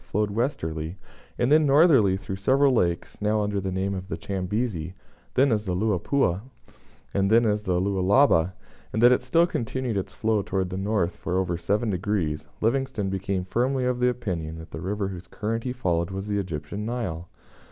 flowed westerly, and then northerly through several lakes, now under the names of the Chambezi, then as the Luapula, and then as the Lualaba, and that it still continued its flow towards the north for over 7 degrees, Livingstone became firmly of the opinion that the river whose current he followed was the Egyptian Nile.